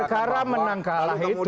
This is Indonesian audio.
perkara menang kalah itu